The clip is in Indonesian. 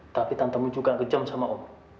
tapi tantemu juga kejam sama om